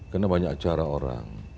karena banyak acara orang